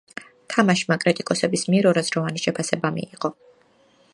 თამაშმა კრიტიკოსების მიერ ორაზროვანი შეფასება მიიღო.